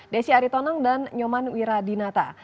desi aritonang dan nyoman wiradinata